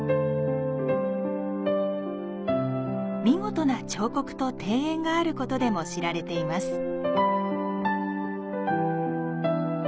見事な彫刻と庭園があることでも知られています。